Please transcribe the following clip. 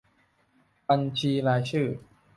บัญชีรายชื่อ